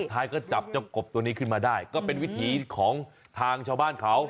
ท้ายก็จับเจ้ากบตัวนี้ขึ้นมาได้ก็เป็นวิถีของทางชาวบ้านเขา